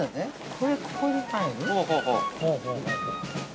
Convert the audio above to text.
これ、ここに入る？